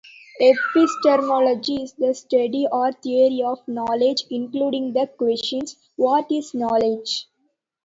Epistemology is the study, or theory of knowledge, including the questions: What is knowledge?